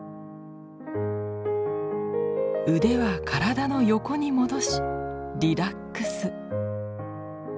腕は体の横に戻しリラックス。